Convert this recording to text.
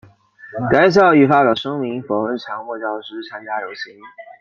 设校亦发表声明否认强迫教师参加游行。